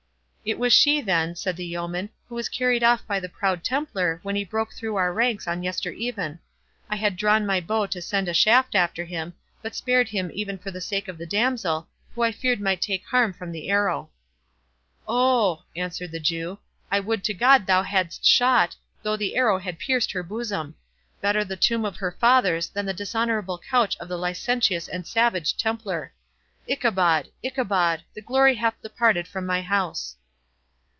"It was she, then," said the yeoman, "who was carried off by the proud Templar, when he broke through our ranks on yester even. I had drawn my bow to send a shaft after him, but spared him even for the sake of the damsel, who I feared might take harm from the arrow." "Oh!" answered the Jew, "I would to God thou hadst shot, though the arrow had pierced her bosom!—Better the tomb of her fathers than the dishonourable couch of the licentious and savage Templar. Ichabod! Ichabod! the glory hath departed from my house!"